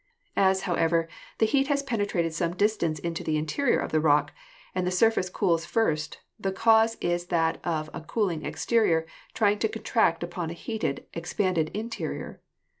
As, however, the heat has penetrated some distance into the interior of the rock and the surface cools first the cause is that of a cooling exterior trying to contract upon a heated, expanded interior.